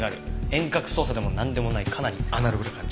遠隔操作でもなんでもないかなりアナログな感じ？